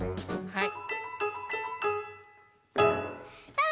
はい。